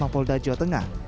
polda jawa tengah